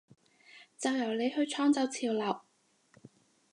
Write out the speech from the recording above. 就由你去創造潮流！